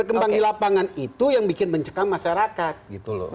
tembang di lapangan itu yang bikin mencekam masyarakat